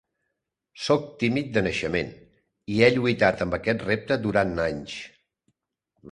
Sóc tímid de naixement, i he lluitat amb aquest repte durant anys.